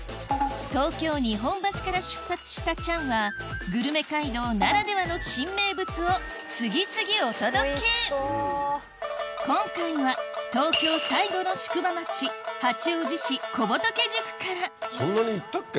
東京・日本橋から出発したチャンはグルメ街道ならではの新名物を次々お届け今回は東京最後の宿場町八王子市小仏宿からそんなに行ったっけ